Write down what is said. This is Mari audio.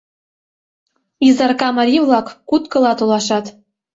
Изарка марий-влак куткыла толашат.